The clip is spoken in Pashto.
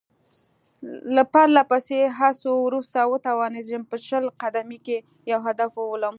له پرله پسې هڅو وروسته وتوانېدم چې په شل قدمۍ کې یو هدف وولم.